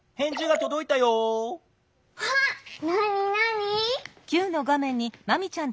あっなになに？